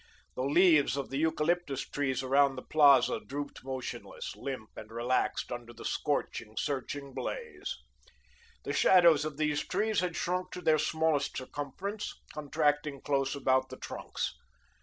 The leaves of the eucalyptus trees around the Plaza drooped motionless, limp and relaxed under the scorching, searching blaze. The shadows of these trees had shrunk to their smallest circumference, contracting close about the trunks.